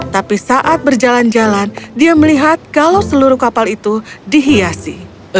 tapi saat berjalan jalan dia melihat kalau seluruh kapal itu dihiasi